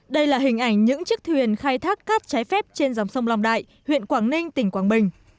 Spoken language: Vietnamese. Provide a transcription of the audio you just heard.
đây là hình ảnh những chiếc thuyền khai thác cát trái phép trên dòng sông lòng đại huyện quảng ninh tỉnh quảng bình